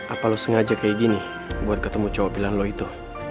apa lu sengaja kayak gini buat ketemu cowok pilan lu itu